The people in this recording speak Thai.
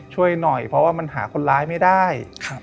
ช่วยหน่อยเพราะว่ามันหาคนร้ายไม่ได้